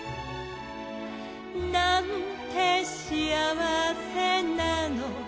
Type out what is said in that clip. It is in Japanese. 「なんてしあわせなの」